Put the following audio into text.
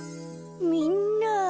みんな。